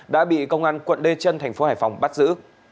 đã bị công an quận lê trân tp hải phòng bắt giữ